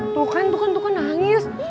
tuh kan tuhan tuh kan nangis